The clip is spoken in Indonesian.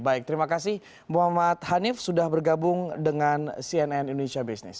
baik terima kasih muhammad hanif sudah bergabung dengan cnn indonesia business